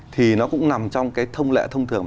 thì nó cũng nằm trong cái thông lệ thông thường